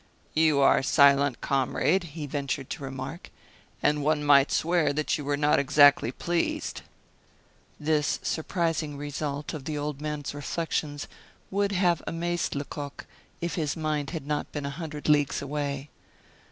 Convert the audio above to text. "You are silent, comrade," he ventured to remark, "and one might swear that you were not exactly pleased." This surprising result of the old man's reflections would have amazed Lecoq, if his mind had not been a hundred leagues away.